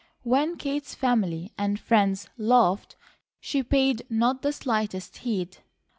When Kate's family and friends laughed, she paid not the slightest heed.